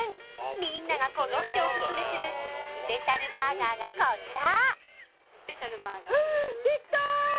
みんながこぞってオススメするスペシャルバーガーがこちら！